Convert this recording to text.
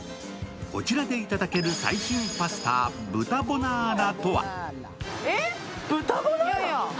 こちらでいただける最新パスタ、豚ボナーラとは？